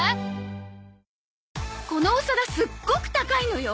このお皿すっごく高いのよ！